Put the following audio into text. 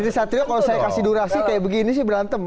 trisatrio kalau saya kasih durasi kayak begini sih berantem